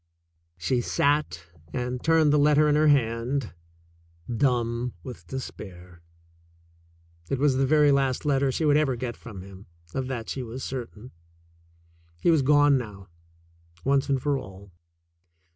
She sat and turned the letter in her hand, dumb with despair. It was the very last letter she would ever get from him. Of that she was certain. He was gone now, once and for all.